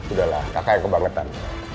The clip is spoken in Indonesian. udahlah kakak yang kebangetan